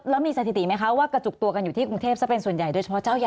แล้วมีสถิติไหมคะว่ากระจุกตัวกันอยู่ที่กรุงเทพซะเป็นส่วนใหญ่โดยเฉพาะเจ้าใหญ่